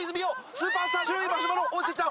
スーパースター白いマシュマロ追いついた！